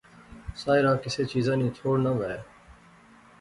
ساحرہ کسے چیزا نی تھوڑ نہ وہے